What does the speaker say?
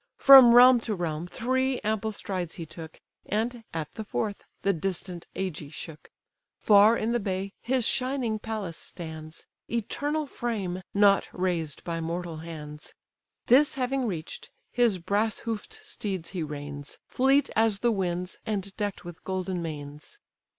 From realm to realm three ample strides he took, And, at the fourth, the distant Ægae shook. Far in the bay his shining palace stands, Eternal frame! not raised by mortal hands: This having reach'd, his brass hoof'd steeds he reins, Fleet as the winds, and deck'd with golden manes.